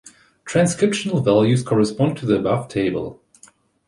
Transcriptional values correspond to the above table.